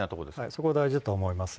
そこが大事だと思います。